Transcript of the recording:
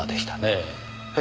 ええ。